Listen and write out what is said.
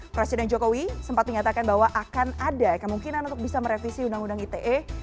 presiden jokowi sempat menyatakan bahwa akan ada kemungkinan untuk bisa merevisi undang undang ite